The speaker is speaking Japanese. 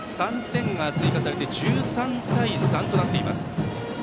３点が追加されて１３対３となっています。